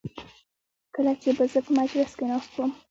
کله چې به زه په مجلس کې ناست وم.